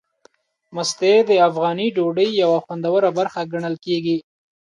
مستې د افغاني ډوډۍ یوه خوندوره برخه ګڼل کېږي.